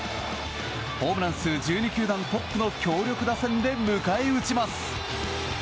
ホームラン数１２球団トップの強力打線で迎え撃ちます。